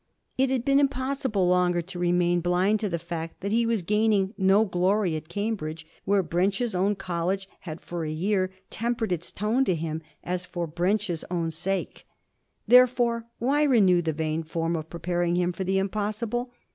It had been impossible longer to remain blind to the fact that he was gaining no glory at Cambridge, where Brench's own college had for a year tempered its tone to him as for Brench's own sake. Therefore why renew the vain form of preparing him for the impossible?